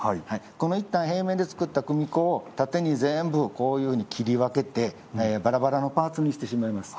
このいったん平面で作った組子を縦に全部こういうふうに切り分けてバラバラのパーツにしてしまいます。